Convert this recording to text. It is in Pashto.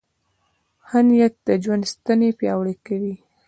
ښه نیت د ژوند ستنې پیاوړې کوي.